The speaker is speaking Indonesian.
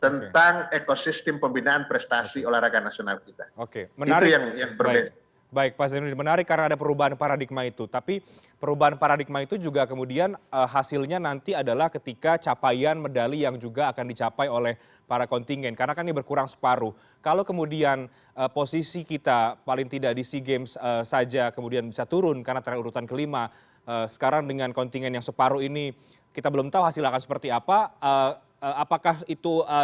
tentang ekosistem pembinaan prestasi olahraga nasional kita oke menarik yang berbeda baik pasir menarik karena ada perubahan paradigma itu tapi perubahan paradigma itu juga kemudian hasilnya nanti adalah ketika capaian medali yang juga akan dicapai oleh para kontingen karena kan ini berkurang separuh kalau kemudian posisi kita paling tidak di seagames saja kemudian bisa turun karena terurutan kelima sekarang dengan kontingen yang separuh ini kita belum tahu hasil akan seperti apa apakah itu seharusnya akan berubah menjadi separuh atau tidak